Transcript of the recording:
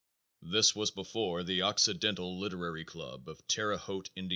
This was before the Occidental Literary Club of Terre Haute, Ind.